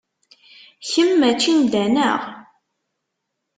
Kemm mačči n da, neɣ?